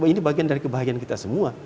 dan ini bagian dari kebahagiaan kita semua